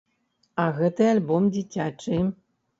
А гэты альбом дзіцячы.